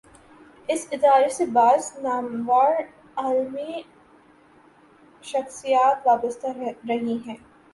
اس ادارے سے بعض نامور علمی شخصیات وابستہ رہی ہیں۔